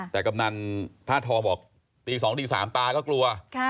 แต่กำนันท่าทองบอกตี๒ตี๓ตาก็กลัว